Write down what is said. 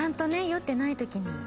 酔ってない時に。